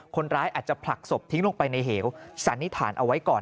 คนร้ายอาจจะผลักศพทิ้งลงไปในเหวสันนิษฐานเอาไว้ก่อน